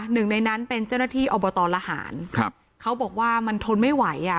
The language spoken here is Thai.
หนึ่งในนั้นเป็นเจ้าหน้าที่อบตละหารครับเขาบอกว่ามันทนไม่ไหวอ่ะ